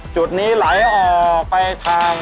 จุดนี้ไหลออกไปทาง